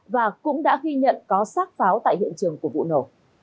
và cũng đã ghi nhận có xác pháo tại hiện trường của vụ nổ